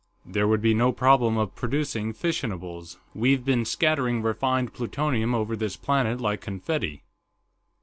There would be no problem of producing fissionables we've been scattering refined plutonium over this planet like confetti."